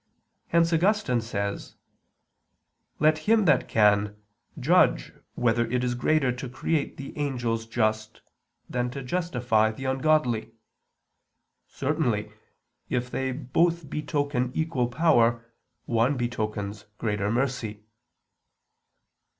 Hence Augustine says: "Let him that can, judge whether it is greater to create the angels just, than to justify the ungodly. Certainly, if they both betoken equal power, one betokens greater mercy."